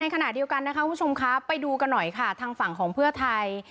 ขณะเดียวกันนะคะคุณผู้ชมครับไปดูกันหน่อยค่ะทางฝั่งของเพื่อไทย